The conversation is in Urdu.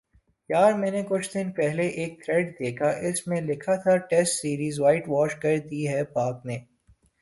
یار میں نے کچھ دن پہلے یہاں ایک تھریڈ دیکھا اس میں لکھا تھا ٹیسٹ سیریز وائٹ واش کر دی ہے پاک نے